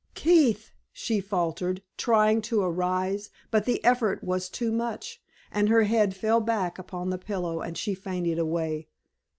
"Keith!" she faltered, trying to arise, but the effort was too much, and her head fell back upon the pillow and she fainted away.